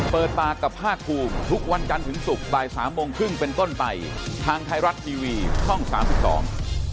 เปิดปากกับภาคภูมิทุกวันจันทร์ถึงศุกร์บ่ายสามโมงครึ่งเป็นต้นไปทางไทยรัฐทีวีช่องสามสิบสอง